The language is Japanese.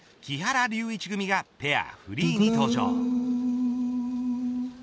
木原龍一組がペアフリーに登場。